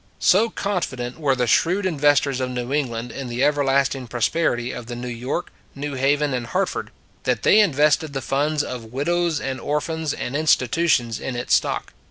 So confident were the shrewd investors of New England in the everlasting pros perity of the New York, New Haven & Hartford that they invested the funds of widows and orphans and institutions in its stock.